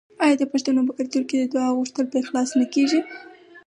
آیا د پښتنو په کلتور کې د دعا غوښتل په اخلاص نه کیږي؟